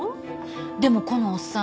でもこのおっさん。